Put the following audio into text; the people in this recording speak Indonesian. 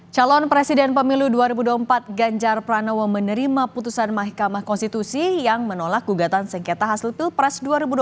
calon presiden pemilu dua ribu dua puluh empat ganjar pranowo menerima putusan mahkamah konstitusi yang menolak gugatan sengketa hasil pilpres dua ribu dua puluh